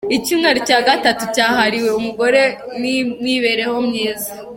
Icyumweru cya gatatu cyahariwe umugore n’ imibereho myiza.